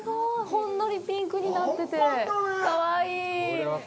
ほんのりピンクになってて、かわいい。